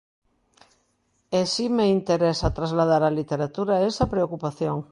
E si me interesa trasladar á literatura esa preocupación.